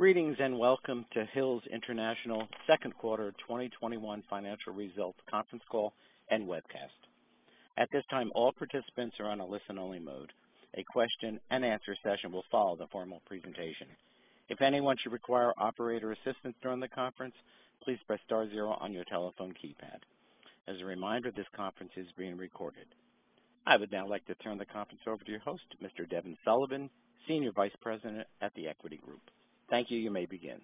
Greetings and Welcome to Hill International second quarter 2021 financial results conference call and webcast. At this time, all participants are on a listen-only mode. A question and answer session will follow the formal presentation. If anyone should require operator assistance during the conference, please press star zero on your telephone keypad. As a reminder, this conference is being recorded. I would now like to turn the conference over to your host, Mr. Devin Sullivan, Senior Vice President at The Equity Group. Thank you. You may begin.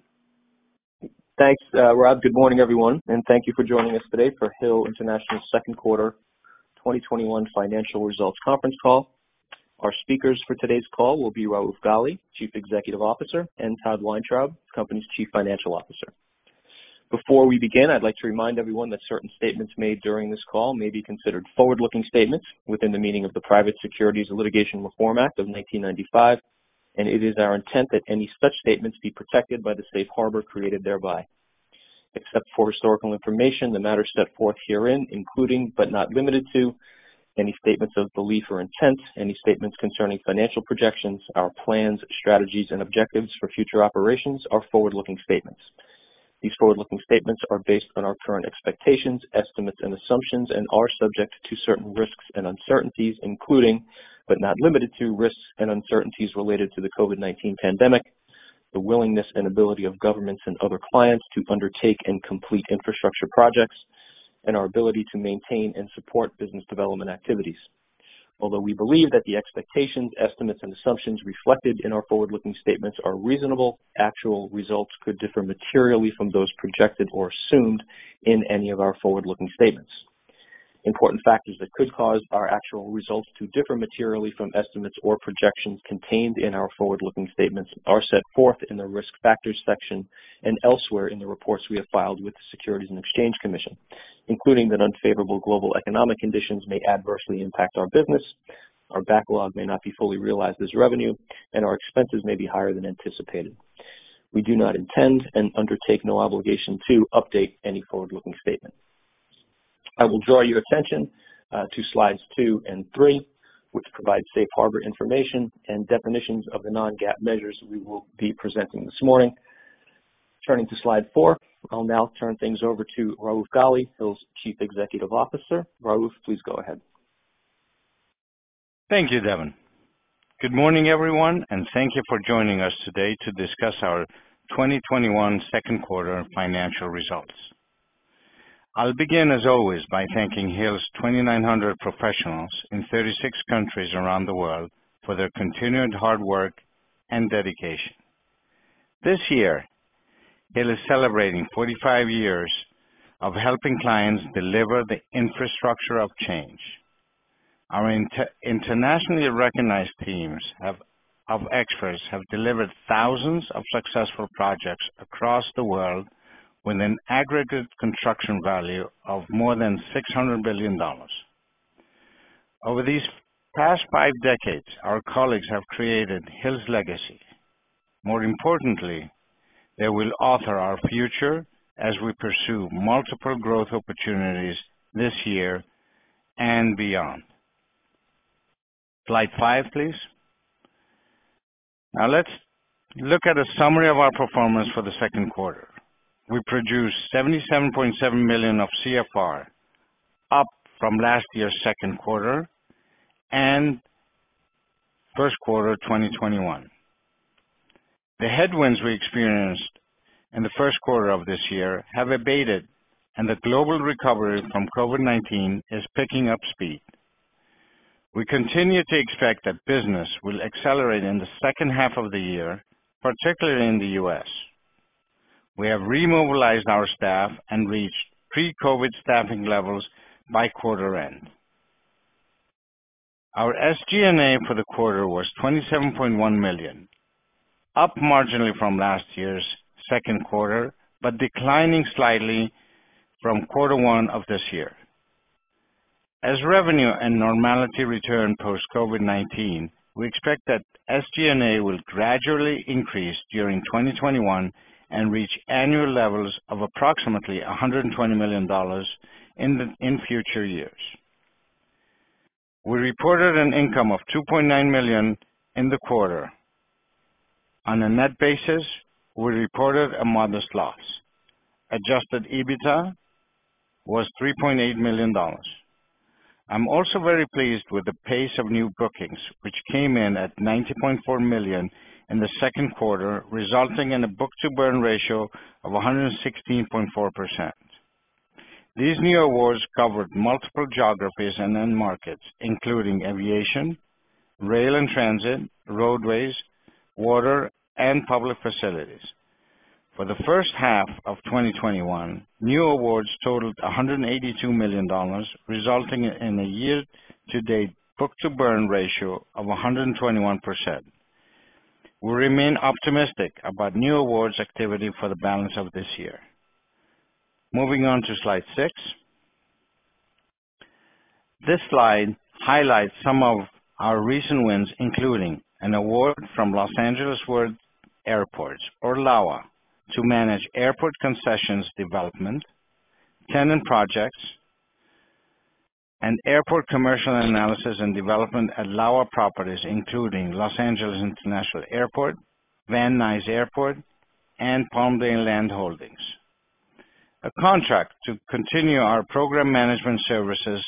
Thanks, Rob. Good morning, everyone, and thank you for joining us today for Hill International second quarter 2021 financial results conference call. Our speakers for today's call will be Raouf Ghali, Chief Executive Officer, and Todd Weintraub, the company's Chief Financial Officer. Before we begin, I'd like to remind everyone that certain statements made during this call may be considered forward-looking statements within the meaning of the Private Securities Litigation Reform Act of 1995, and it is our intent that any such statements be protected by the safe harbor created thereby. Except for historical information, the matters set forth herein, including but not limited to any statements of belief or intent, any statements concerning financial projections, our plans, strategies, and objectives for future operations are forward-looking statements. These forward-looking statements are based on our current expectations, estimates, and assumptions and are subject to certain risks and uncertainties, including but not limited to risks and uncertainties related to the COVID-19 pandemic, the willingness and ability of governments and other clients to undertake and complete infrastructure projects, and our ability to maintain and support business development activities. Although we believe that the expectations, estimates, and assumptions reflected in our forward-looking statements are reasonable, actual results could differ materially from those projected or assumed in any of our forward-looking statements. Important factors that could cause our actual results to differ materially from estimates or projections contained in our forward-looking statements are set forth in the Risk Factors section and elsewhere in the reports we have filed with the Securities and Exchange Commission, including that unfavorable global economic conditions may adversely impact our business, our backlog may not be fully realized as revenue, and our expenses may be higher than anticipated. We do not intend and undertake no obligation to update any forward-looking statements. I will draw your attention to slides two and three, which provide safe harbor information and definitions of the non-GAAP measures we will be presenting this morning. Turning to slide four. I'll now turn things over to Raouf Ghali, Hill's Chief Executive Officer. Raouf, please go ahead. Thank you, Devin. Good morning, everyone, and thank you for joining us today to discuss our 2021 second quarter financial results. I'll begin, as always, by thanking Hill's 2,900 professionals in 36 countries around the world for their continued hard work and dedication. This year, Hill is celebrating 45 years of helping clients deliver the infrastructure of change. Our internationally recognized teams of experts have delivered thousands of successful projects across the world with an aggregate construction value of more than $600 billion. Over these past five decades, our colleagues have created Hill's legacy. More importantly, they will author our future as we pursue multiple growth opportunities this year and beyond. Slide five, please. Let's look at a summary of our performance for the second quarter. We produced $77.7 million of CFR, up from last year's second quarter and first quarter 2021. The headwinds we experienced in the first quarter of this year have abated, and the global recovery from COVID-19 is picking up speed. We continue to expect that business will accelerate in the second half of the year, particularly in the U.S. We have remobilized our staff and reached pre-COVID staffing levels by quarter end. Our SG&A for the quarter was $27.1 million, up marginally from last year's second quarter, but declining slightly from quarter one of this year. As revenue and normality return post-COVID-19, we expect that SG&A will gradually increase during 2021 and reach annual levels of approximately $120 million in future years. We reported an income of $2.9 million in the quarter. On a net basis, we reported a modest loss. Adjusted EBITDA was $3.8 million. I'm also very pleased with the pace of new bookings, which came in at $90.4 million in the second quarter, resulting in a book-to-burn ratio of 116.4%. These new awards covered multiple geographies and end markets, including aviation, rail and transit, roadways, water, and public facilities. For the first half of 2021, new awards totaled $182 million, resulting in a year-to-date book-to-burn ratio of 121%. We remain optimistic about new awards activity for the balance of this year. Moving on to slide six. This slide highlights some of our recent wins, including an award from Los Angeles World Airports, or LAWA, to manage airport concessions development, tenant projects, an airport commercial analysis and development at LAWA properties, including Los Angeles International Airport, Van Nuys Airport, and Palmdale Land Holdings. A contract to continue our program management services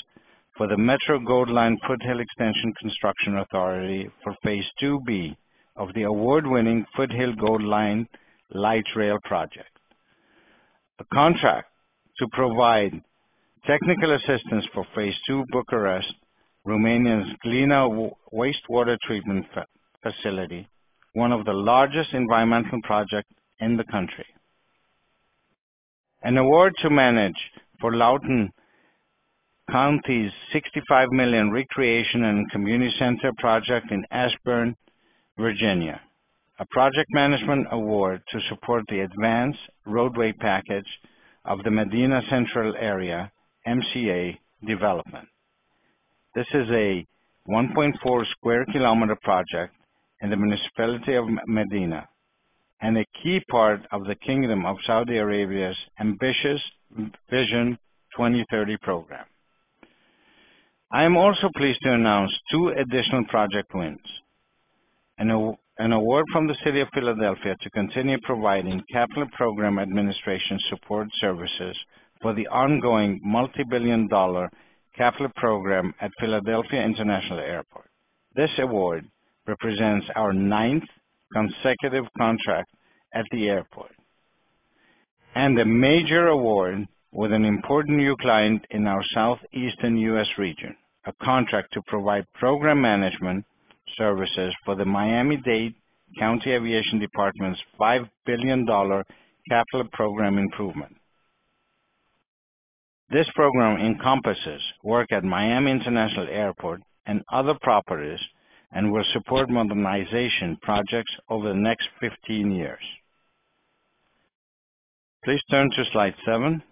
for the Metro Gold Line Foothill Extension Construction Authority for phase II-B of the award-winning Foothill Gold Line Light Rail Program. A contract to provide technical assistance for phase II Bucharest, Romania's Glina Wastewater Treatment Facility, one of the largest environmental projects in the country. An award to manage for Loudoun County's $65 million recreation and community center project in Ashburn, Virginia. A project management award to support the advanced roadway package of the Medina Central Area, MCA, development. This is a 1.4 square kilometer project in the municipality of Medina and a key part of the Kingdom of Saudi Arabia's ambitious Vision 2030 program. I am also pleased to announce two additional project wins. An award from the City of Philadelphia to continue providing capital program administration support services for the ongoing multibillion-dollar capital program at Philadelphia International Airport. This award represents our ninth consecutive contract at the airport. A major award with an important new client in our southeastern U.S. region. A contract to provide program management services for the Miami-Dade County Aviation Department's $5 billion Capital Program Improvement. This program encompasses work at Miami International Airport and other properties and will support modernization projects over the next 15 years. Please turn to slide seven.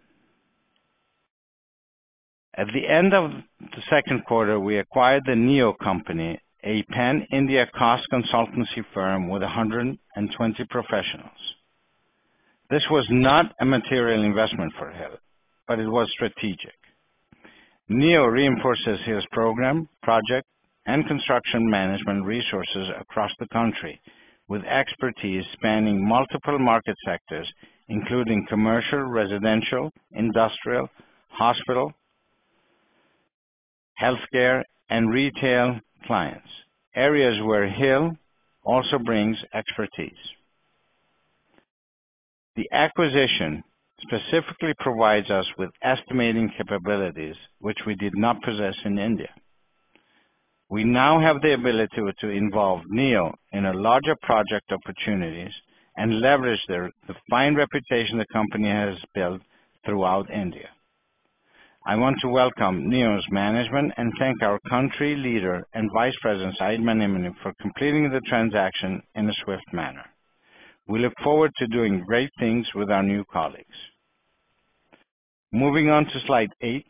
At the end of the second quarter, we acquired the NEYO company, a pan-India cost consultancy firm with 120 professionals. This was not a material investment for Hill, but it was strategic. NEYO reinforces Hill's program, project, and construction management resources across the country with expertise spanning multiple market sectors, including commercial, residential, industrial, hospital, healthcare, and retail clients, areas where Hill also brings expertise. The acquisition specifically provides us with estimating capabilities, which we did not possess in India. We now have the ability to involve NEYO in larger project opportunities and leverage the fine reputation the company has built throughout India. I want to welcome NEYO's management and thank our Country Leader and Vice President, Saïd Mneimné, for completing the transaction in a swift manner. We look forward to doing great things with our new colleagues. Moving on to slide eight.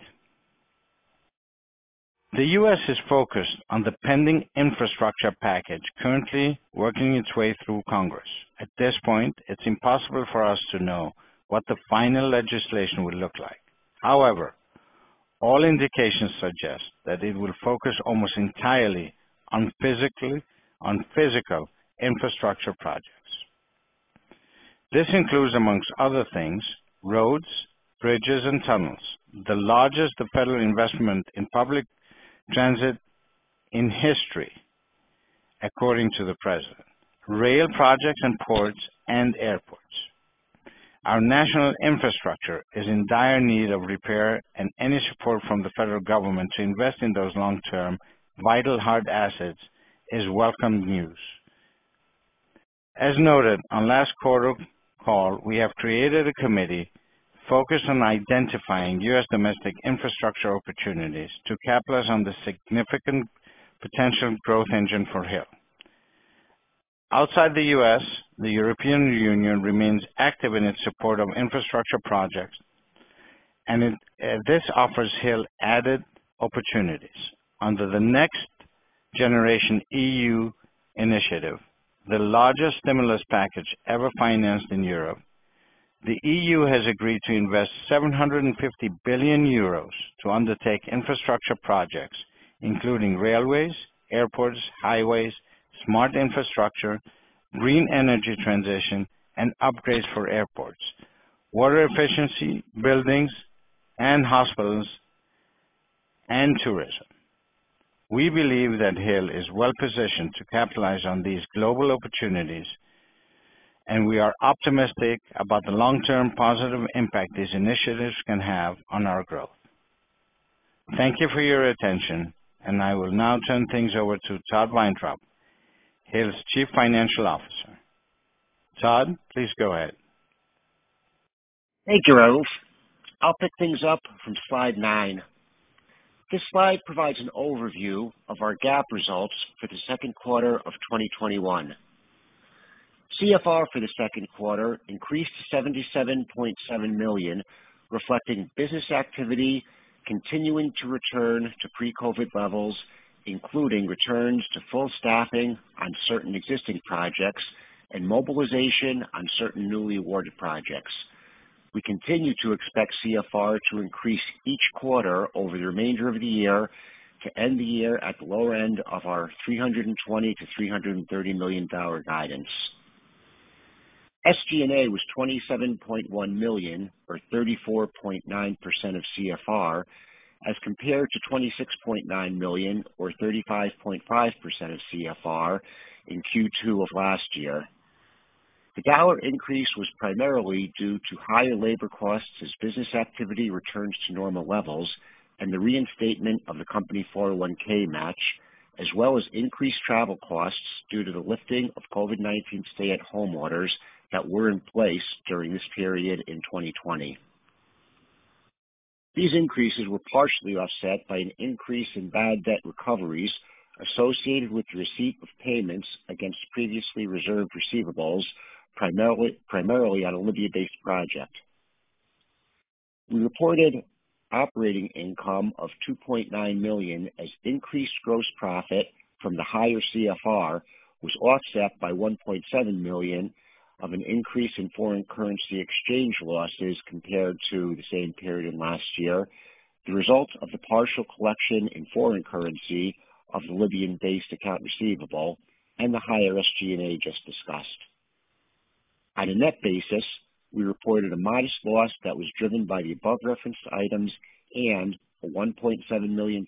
The U.S. is focused on the pending infrastructure package currently working its way through Congress. At this point, it's impossible for us to know what the final legislation will look like. However, all indications suggest that it will focus almost entirely on physical infrastructure projects. This includes, among other things, roads, bridges, and tunnels, the largest federal investment in public transit in history, according to the President, rail projects, and ports and airports. Our national infrastructure is in dire need of repair, any support from the federal government to invest in those long-term, vital hard assets is welcome news. As noted on last quarter's call, we have created a committee focused on identifying U.S. domestic infrastructure opportunities to capitalize on the significant potential growth engine for Hill. Outside the U.S., the European Union remains active in its support of infrastructure projects, this offers Hill added opportunities. Under the NextGenerationEU initiative, the largest stimulus package ever financed in Europe, the EU has agreed to invest 750 billion euros to undertake infrastructure projects, including railways, airports, highways, smart infrastructure, green energy transition, and upgrades for airports, water efficiency, buildings and hospitals, and tourism. We believe that Hill is well-positioned to capitalize on these global opportunities, we are optimistic about the long-term positive impact these initiatives can have on our growth. Thank you for your attention, and I will now turn things over to Todd Weintraub, Hill's Chief Financial Officer. Todd, please go ahead. Thank you, Raouf. I'll pick things up from slide 9. This slide provides an overview of our GAAP results for the second quarter of 2021. CFR for the second quarter increased to $77.7 million, reflecting business activity continuing to return to pre-COVID levels, including returns to full staffing on certain existing projects and mobilization on certain newly awarded projects. We continue to expect CFR to increase each quarter over the remainder of the year to end the year at the lower end of our $320 million-$330 million guidance. SG&A was $27.1 million, or 34.9% of CFR, as compared to $26.9 million or 35.5% of CFR in Q2 of last year. The dollar increase was primarily due to higher labor costs as business activity returns to normal levels, and the reinstatement of the company 401(k) match, as well as increased travel costs due to the lifting of COVID-19 stay-at-home orders that were in place during this period in 2020. These increases were partially offset by an increase in bad debt recoveries associated with the receipt of payments against previously reserved receivables, primarily on a Libya-based project. We reported operating income of $2.9 million as increased gross profit from the higher CFR was offset by $1.7 million of an increase in foreign currency exchange losses compared to the same period last year, the result of the partial collection in foreign currency of the Libyan-based account receivable and the higher SG&A just discussed. On a net basis, we reported a modest loss that was driven by the above-referenced items and a $1.7 million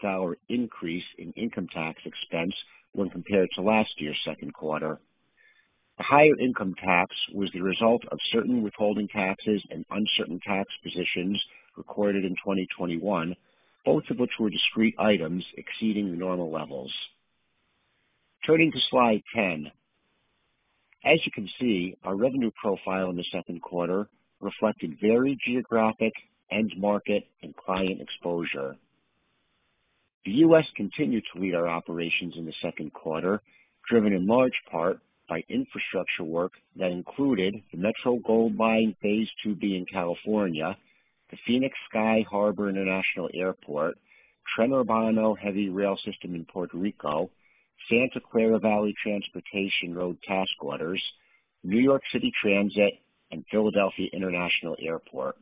increase in income tax expense when compared to last year's second quarter. The higher income tax was the result of certain withholding taxes and uncertain tax positions recorded in 2021, both of which were discrete items exceeding the normal levels. Turning to slide 10. As you can see, our revenue profile in the second quarter reflected varied geographic, end market, and client exposure. The U.S. continued to lead our operations in the second quarter, driven in large part by infrastructure work that included the Metro Gold Line phase II-B in California, the Phoenix Sky Harbor International Airport, Tren Urbano heavy rail system in Puerto Rico, Santa Clara Valley Transportation road task orders, New York City Transit, and Philadelphia International Airport.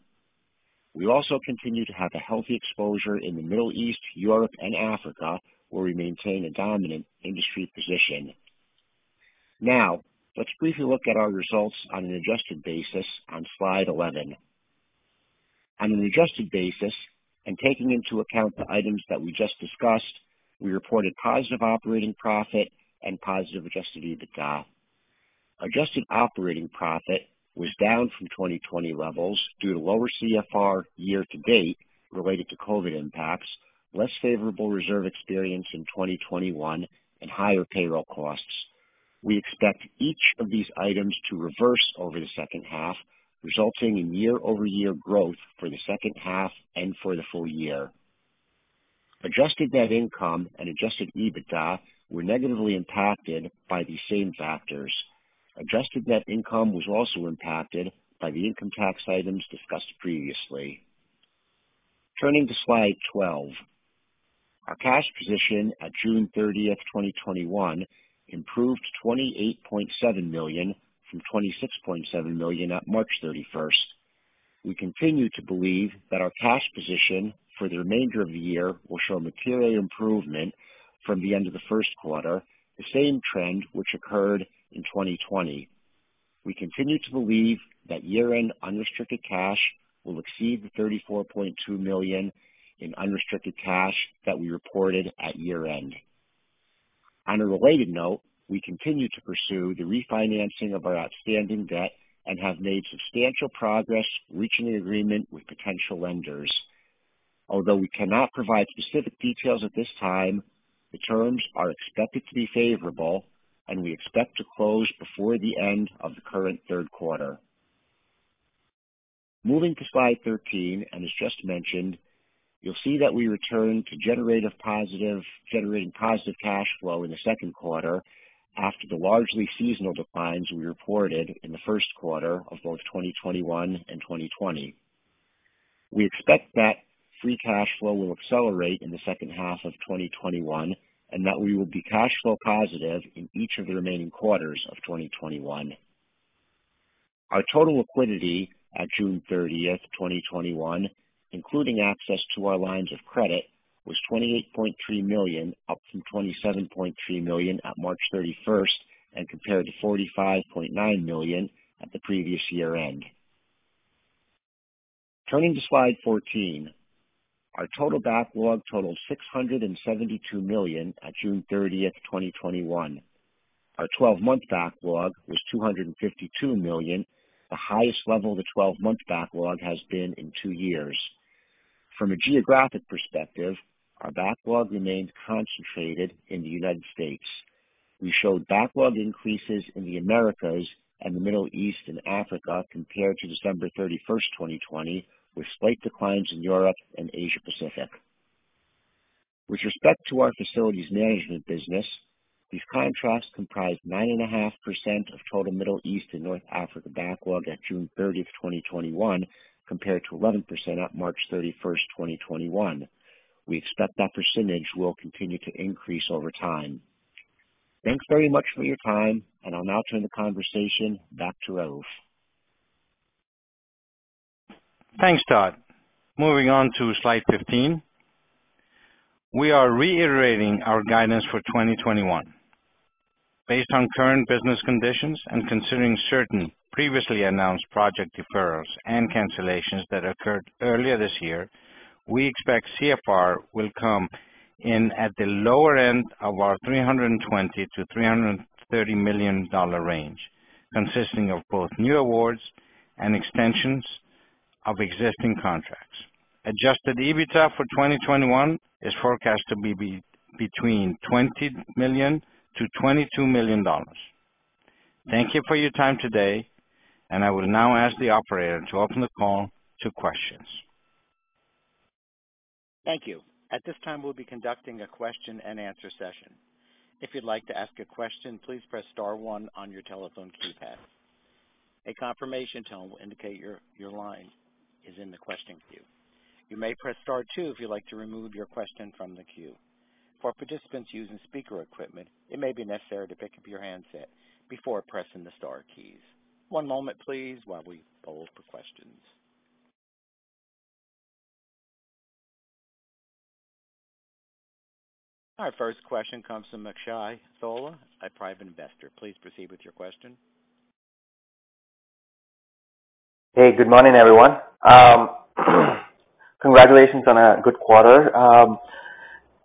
We also continue to have a healthy exposure in the Middle East, Europe, and Africa, where we maintain a dominant industry position. Let's briefly look at our results on an adjusted basis on slide 11. On an adjusted basis, and taking into account the items that we just discussed, we reported positive operating profit and positive adjusted EBITDA. Adjusted operating profit was down from 2020 levels due to lower CFR year to date related to COVID impacts, less favorable reserve experience in 2021, and higher payroll costs. We expect each of these items to reverse over the second half, resulting in year-over-year growth for the second half and for the full year. Adjusted net income and adjusted EBITDA were negatively impacted by these same factors. Adjusted net income was also impacted by the income tax items discussed previously. Turning to slide 12. Our cash position at June 30th, 2021, improved $28.7 million from $26.7 million at March 31st. We continue to believe that our cash position for the remainder of the year will show material improvement from the end of the first quarter, the same trend which occurred in 2020. We continue to believe that year-end unrestricted cash will exceed the $34.2 million in unrestricted cash that we reported at year-end. On a related note, we continue to pursue the refinancing of our outstanding debt and have made substantial progress reaching an agreement with potential lenders. Although we cannot provide specific details at this time, the terms are expected to be favorable, and we expect to close before the end of the current third quarter. Moving to slide 13, as just mentioned, you'll see that we return to generating positive cash flow in the second quarter after the largely seasonal declines we reported in the first quarter of both 2021 and 2020. We expect that free cash flow will accelerate in the second half of 2021, and that we will be cash flow positive in each of the remaining quarters of 2021. Our total liquidity at June 30th, 2021, including access to our lines of credit, was $28.3 million, up from $27.3 million at March 31st and compared to $45.9 million at the previous year-end. Turning to slide 14. Our total backlog totaled $672 million at June 30th, 2021. Our 12-month backlog was $252 million, the highest level the 12-month backlog has been in two years. From a geographic perspective, our backlog remains concentrated in the United States. We showed backlog increases in the Americas and the Middle East and Africa compared to December 31st, 2020, with slight declines in Europe and Asia Pacific. With respect to our facilities management business, these contracts comprised 9.5% of total Middle East and North Africa backlog at June 30th, 2021, compared to 11% at March 31st, 2021. We expect that percentage will continue to increase over time. Thanks very much for your time, and I'll now turn the conversation back to Raouf. Thanks, Todd. Moving on to slide 15. We are reiterating our guidance for 2021. Based on current business conditions and considering certain previously announced project deferrals and cancellations that occurred earlier this year, we expect CFR will come in at the lower end of our $320 million-$330 million range, consisting of both new awards and extensions of existing contracts. Adjusted EBITDA for 2021 is forecast to be between $20 million-$22 million. Thank you for your time today, and I will now ask the operator to open the call to questions. Thank you. Our first question comes from Akshay Shah, a Private Investor. Please proceed with your question. Hey, good morning, everyone. Congratulations on a good quarter.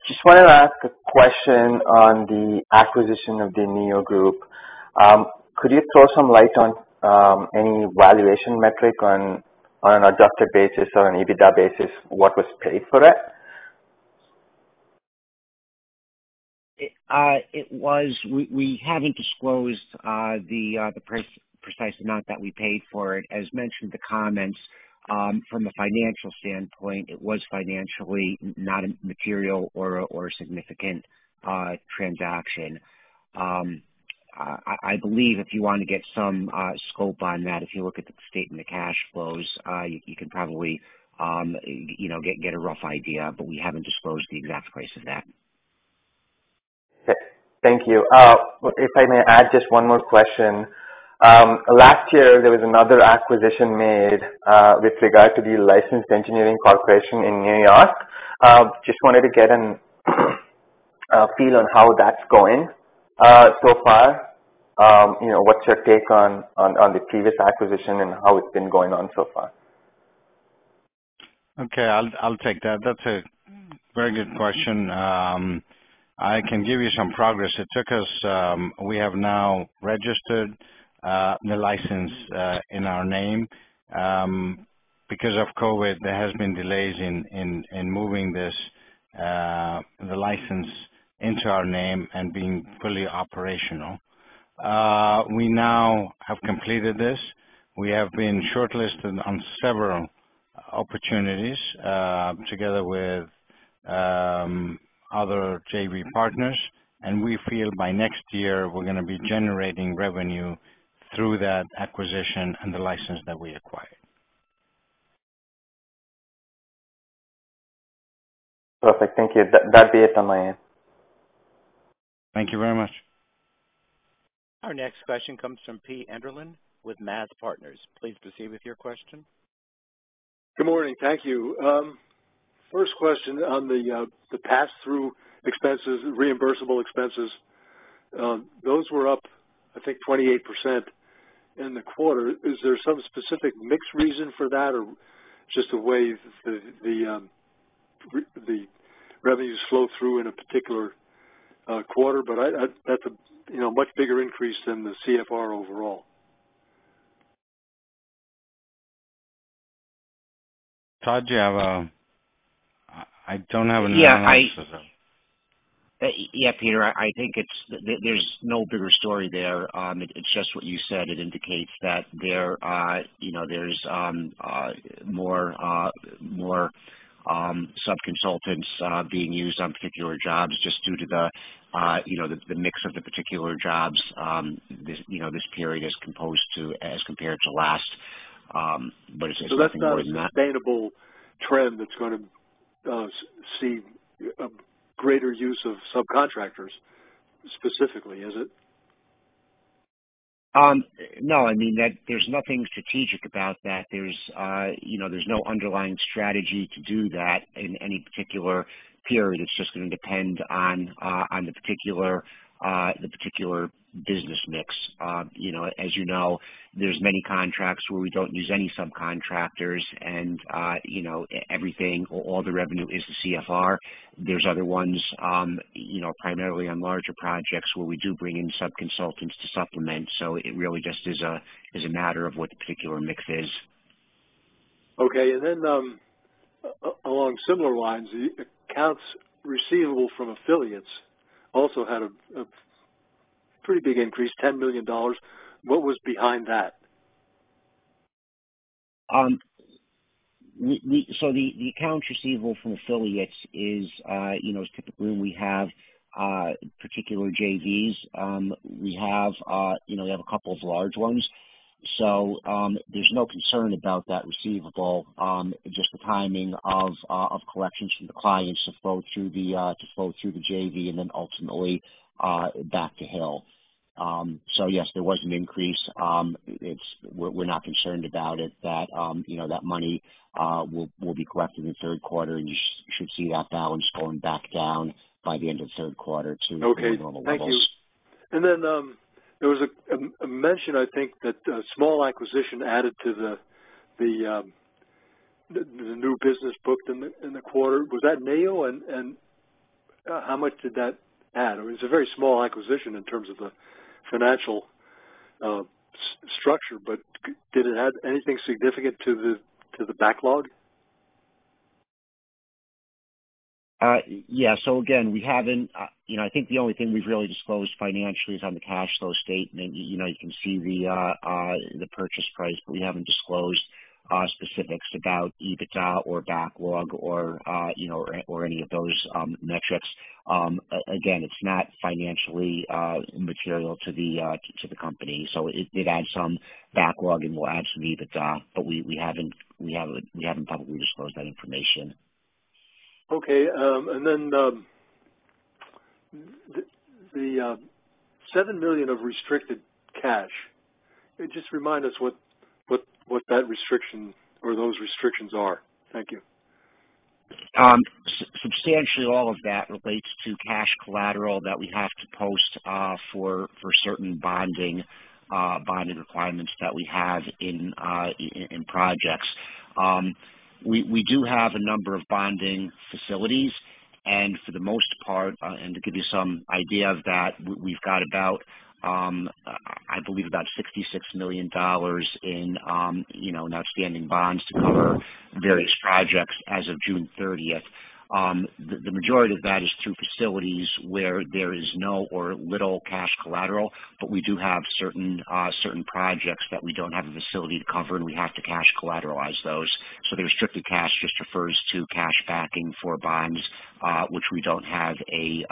Just wanted to ask a question on the acquisition of the NEYO Group. Could you throw some light on any valuation metric on an adjusted basis or an EBITDA basis? What was paid for that? We haven't disclosed the precise amount that we paid for it. As mentioned in the comments, from a financial standpoint, it was financially not a material or significant transaction. I believe if you want to get some scope on that, if you look at the statement of cash flows, you can probably get a rough idea. We haven't disclosed the exact price of that. Thank you. If I may add just one more question. Last year, there was another acquisition made, with regard to the Licensed Engineering Corporation in New York. Just wanted to get a feel on how that's going so far. What's your take on the previous acquisition and how it's been going on so far? Okay, I'll take that. That's a very good question. I can give you some progress. We have now registered the license in our name. Because of COVID, there has been delays in moving the license into our name and being fully operational. We now have completed this. We have been shortlisted on several opportunities, together with other JV partners, and we feel by next year, we're going to be generating revenue through that acquisition and the license that we acquired. Perfect. Thank you. That'd be it on my end. Thank you very much. Our next question comes from Peter Enderlin with MAZ Partners. Please proceed with your question. Good morning. Thank you. First question on the pass-through expenses, reimbursable expenses. Those were up, I think 28% in the quarter. Is there some specific mix reason for that or just the way the revenues flow through in a particular quarter? That's a much bigger increase than the CFR overall. Todd, I don't have an analysis of that. Yeah. Peter, I think there's no bigger story there. It's just what you said. It indicates that there's more sub-consultants being used on particular jobs just due to the mix of the particular jobs this period as compared to last. It's nothing more than that. That's not a sustainable trend that's going to see a greater use of subcontractors specifically, is it? No. There's nothing strategic about that. There's no underlying strategy to do that in any particular period. It's just going to depend on the particular business mix. As you know, there's many contracts where we don't use any subcontractors and everything, all the revenue is the CFR. There's other ones, primarily on larger projects where we do bring in sub-consultants to supplement. It really just is a matter of what the particular mix is. Okay. Along similar lines, the accounts receivable from affiliates also had a pretty big increase, $10 million. What was behind that? The accounts receivable from affiliates is typically when we have particular JVs. We have a couple of large ones. There's no concern about that receivable, just the timing of collections from the clients to flow through the JV and then ultimately back to Hill. Yes, there was an increase. We're not concerned about it, that money will be collected in the third quarter, and you should see that balance going back down by the end of the third quarter. Okay. The normal levels. Thank you. Then, there was a mention, I think, that a small acquisition added to the new business booked in the quarter. Was that NEYO? How much did that add? I mean, it's a very small acquisition in terms of the financial structure, did it add anything significant to the backlog? Yeah. Again, I think the only thing we've really disclosed financially is on the cash flow statement. You can see the purchase price, but we haven't disclosed specifics about EBITDA or backlog or any of those metrics. Again, it's not financially material to the company. It did add some backlog and will add some EBITDA, but we haven't publicly disclosed that information. Okay. Then, the $7 million of restricted cash, just remind us what that restriction or those restrictions are. Thank you. Substantially all of that relates to cash collateral that we have to post for certain bonding requirements that we have in projects. We do have a number of bonding facilities and for the most part, and to give you some idea of that, we've got, I believe, about $66 million in outstanding bonds to cover various projects as of June 30th. The majority of that is through facilities where there is no or little cash collateral, but we do have certain projects that we don't have a facility to cover, and we have to cash collateralize those. The restricted cash just refers to cash backing for bonds, which we don't have a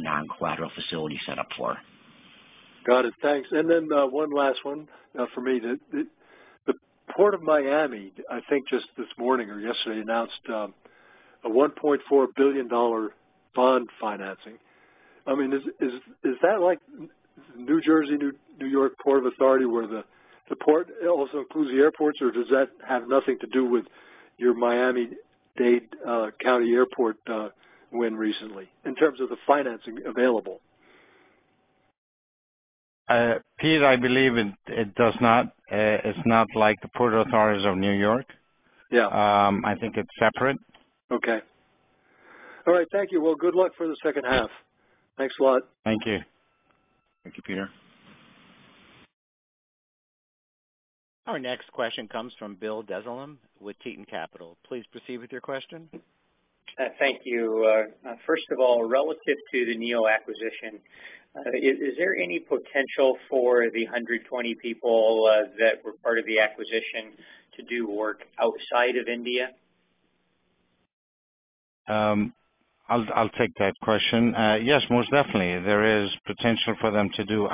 non-collateral facility set up for. Got it. Thanks. One last one for me. The Port of Miami, I think just this morning or yesterday, announced a $1.4 billion bond financing. I mean, is that like Port Authority of New York and New Jersey where the port also includes the airports, or does that have nothing to do with your Miami-Dade County Aviation Department win recently, in terms of the financing available? Pete, I believe it's not like the Port Authority of New York and New Jersey. Yeah. I think it's separate. Okay. All right. Thank you. Well, good luck for the second half. Thanks a lot. Thank you. Thank you, Peter. Our next question comes from Bill Dezellem with Tieton Capital. Please proceed with your question. Thank you. First of all, relative to the NEYO acquisition, is there any potential for the 120 people that were part of the acquisition to do work outside of India? I'll take that question. Yes, most definitely. There is potential for them to do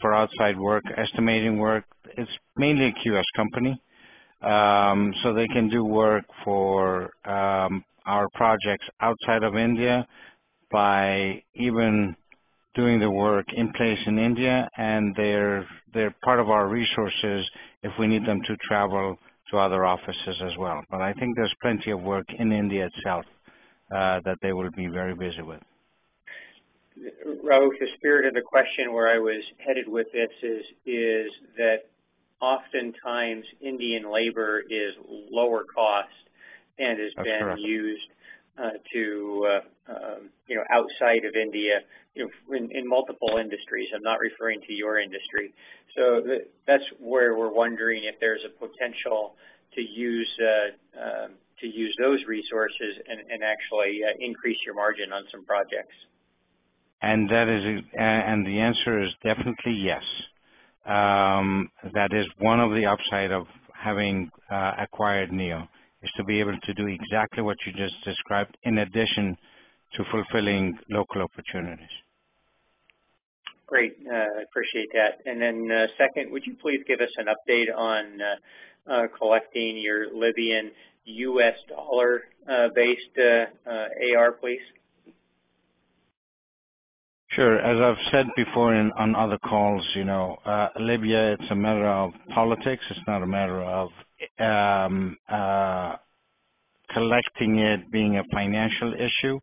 for outside work, estimating work. It's mainly a QS company. They can do work for our projects outside of India by even doing the work in place in India, and they're part of our resources if we need them to travel to other offices as well. I think there's plenty of work in India itself, that they will be very busy with. Rao, the spirit of the question where I was headed with this is that oftentimes Indian labor is lower cost. That's correct. That is used outside of India, in multiple industries. I'm not referring to your industry. That's where we're wondering if there's a potential to use those resources and actually increase your margin on some projects. The answer is definitely yes. That is one of the upside of having acquired NEYO, is to be able to do exactly what you just described in addition to fulfilling local opportunities. Great. I appreciate that. Second, would you please give us an update on collecting your Libyan U.S. dollar-based AR, please? Sure. As I've said before on other calls, Libya, it's a matter of politics. It's not a matter of collecting it being a financial issue.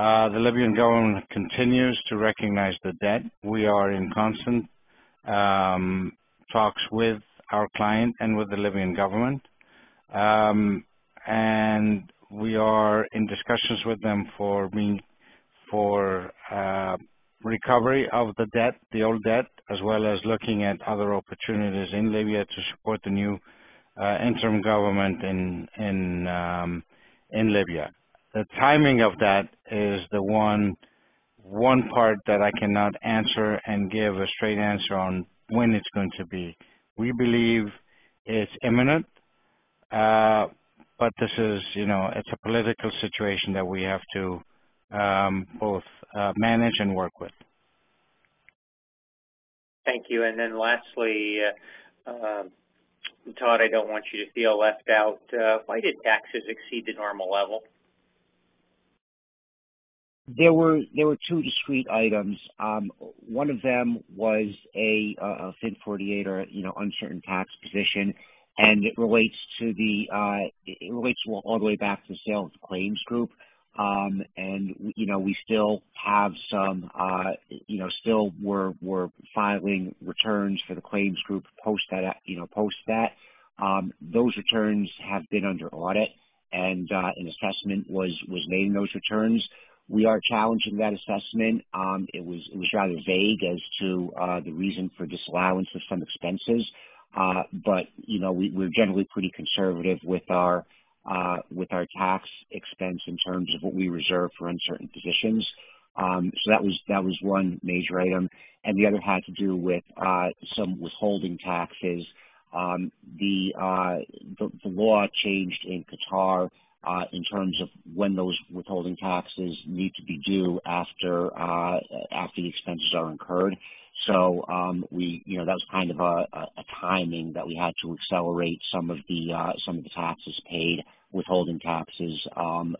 The Libyan government continues to recognize the debt. We are in constant talks with our client and with the Libyan government. We are in discussions with them for recovery of the debt, the old debt, as well as looking at other opportunities in Libya to support the new interim government in Libya. The timing of that is the one part that I cannot answer and give a straight answer on when it's going to be. We believe it's imminent. It's a political situation that we have to both manage and work with. Thank you. Lastly, Todd, I don't want you to feel left out. Why did taxes exceed the normal level? There were two discrete items. One of them was a FIN 48 or uncertain tax position, and it relates all the way back to the sale of the Claims Group. We still were filing returns for the Claims Group post that. Those returns have been under audit, and an assessment was made in those returns. We are challenging that assessment. It was rather vague as to the reason for disallowance of some expenses. We're generally pretty conservative with our tax expense in terms of what we reserve for uncertain positions. That was one major item, and the other had to do with some withholding taxes. The law changed in Qatar, in terms of when those withholding taxes need to be due after the expenses are incurred. That was kind of a timing that we had to accelerate some of the taxes paid, withholding taxes,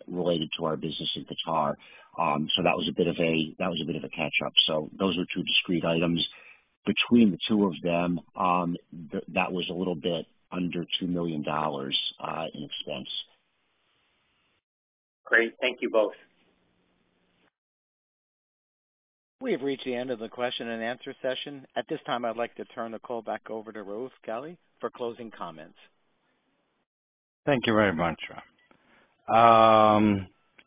related to our business in Qatar. That was a bit of a catch-up. Those are two discrete items. Between the two of them, that was a little bit under $2 million in expense. Great. Thank you both. We have reached the end of the question and answer session. At this time, I'd like to turn the call back over to Raouf Ghali for closing comments. Thank you very much, Rob.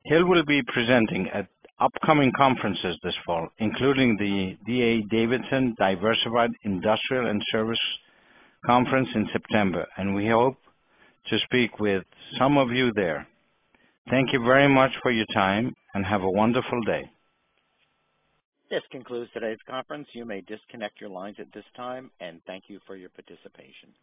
Hill will be presenting at upcoming conferences this fall, including the D.A. Davidson Diversified Industrials & Services Conference in September, and we hope to speak with some of you there. Thank you very much for your time, and have a wonderful day. This concludes today's conference. You may disconnect your lines at this time, and thank you for your participation.